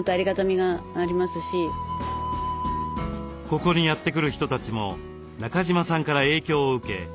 ここにやって来る人たちも中島さんから影響を受け